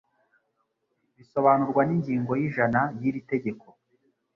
bisobanurwa n ingingo y'ijana y iri tegeko